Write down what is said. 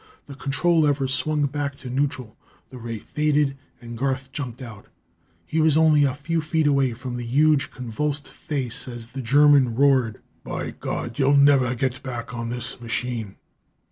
The control lever swung back to neutral; the ray faded and Garth jumped out. He was only a few feet away from the huge convulsed face as the German roared: "By God, you'll never get back on this machine!"